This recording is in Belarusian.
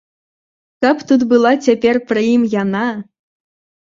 Каб тут была цяпер пры ім яна!